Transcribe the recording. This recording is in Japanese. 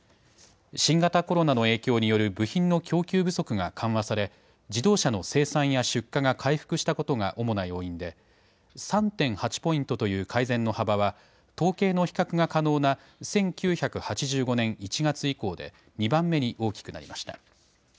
新型コロナの影響による部品の供給不足が緩和され自動車の生産や出荷が回復したことが主な要因で３．８ポイントという改善の幅は統計の比較が可能な１９８５年１月以降で２番目に大きくなりました。